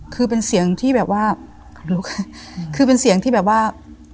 คือเป็นเสียงที่แบบว่าคือเป็นเสียงที่แบบว่า